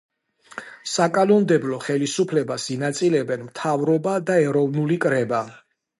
საკანონმდებლო ხელისუფლებას ინაწილებენ მთავრობა და ეროვნული კრება.